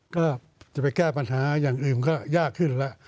ก็จะไปแก้ปัญหาอย่างอื่นก็ยากขึ้นแล้ว